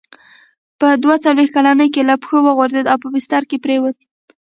په دوه څلوېښت کلنۍ کې له پښو وغورځېد او په بستره کې پرېووت.